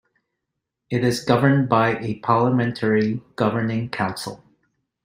It is governed by a parliamentary governing council.